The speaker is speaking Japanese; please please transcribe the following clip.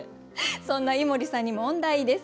そんな井森さんに問題です。